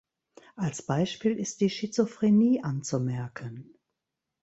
Als Beispiel ist die Schizophrenie anzumerken.